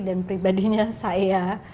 dan pribadinya saya